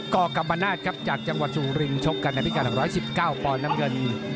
กกรรมนาศครับจากจังหวัดสุรินชกกันในพิการ๑๑๙ปอนด์น้ำเงิน